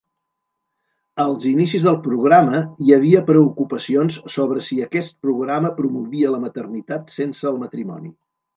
Als inicis del programa, hi havia preocupacions sobre si aquest programa promovia la maternitat sense el matrimoni.